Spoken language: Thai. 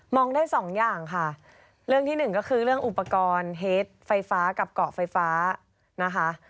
องได้สองอย่างค่ะเรื่องที่หนึ่งก็คือเรื่องอุปกรณ์เฮดไฟฟ้ากับเกาะไฟฟ้านะคะ